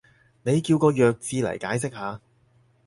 你叫個弱智嚟解釋下